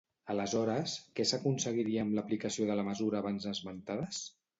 Aleshores, què s'aconseguiria amb l'aplicació de la mesura abans esmentades?